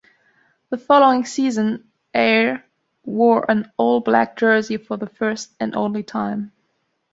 The following season, Ayr wore an all-black jersey for the first and only time.